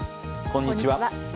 こんにちは。